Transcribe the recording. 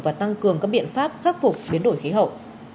và tăng cường các biện pháp khắc phục biến đổi khí hậu